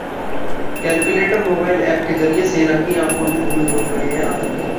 'calculator' mobile App के जरिए सेना की आंखों में धूल झोंक रहे हैं आतंकी